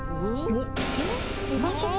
おっ！？